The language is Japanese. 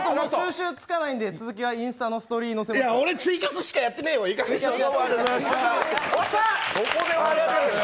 収集つかないんで続きはインスタのストーリーにのせます。